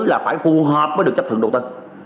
là phải phù hợp mới được chấp thuận đầu tư